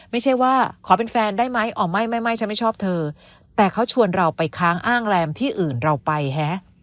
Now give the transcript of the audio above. ไม่ใช่ว่าขอเป็นแฟนได้ไหมอ๋อไม่ไม่ฉันไม่ชอบเธอแต่เขาชวนเราไปค้างอ้างแรมที่อื่นเราไปฮะ